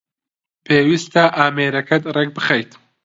پێویستە ئامێرەکەت رێک بخەیت